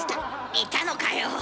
いたのかよ。